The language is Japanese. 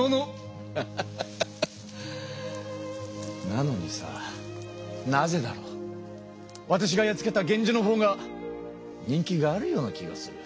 なのにさあなぜだろう？わたしがやっつけた源氏のほうが人気があるような気がする。